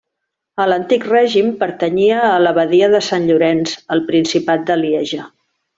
A l'antic règim pertanyia a l'abadia de Sant Llorenç al principat de Lieja.